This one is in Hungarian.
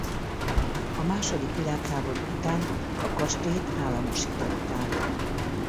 A második világháború után a kastélyt államosították.